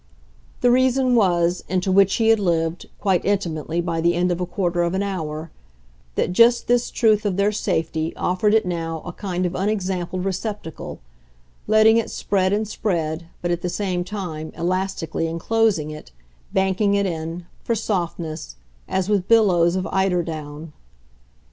The reason was into which he had lived, quite intimately, by the end of a quarter of an hour that just this truth of their safety offered it now a kind of unexampled receptacle, letting it spread and spread, but at the same time elastically enclosing it, banking it in, for softness, as with billows of eiderdown.